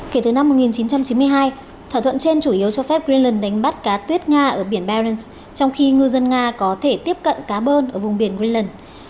kể từ năm một nghìn chín trăm chín mươi hai thỏa thuận trên chủ yếu cho phép greenlan đánh bắt cá tuyết nga ở biển berensk trong khi ngư dân nga có thể tiếp cận cá bơn ở vùng biển willand